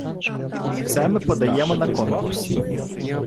Це ми подаємо на конкурс.